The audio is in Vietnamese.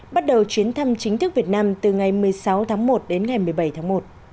bắt đầu chuyến thăm chính thức việt nam từ ngày một mươi sáu tháng một đến ngày một mươi bảy tháng một